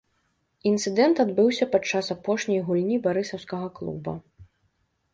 Інцыдэнт адбыўся падчас апошняй гульні барысаўскага клуба.